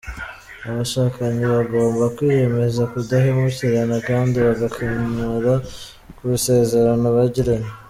Abashakanye bagomba kwiyemeza kudahemukirana kandi bagakomera ku isezerano bagiranye.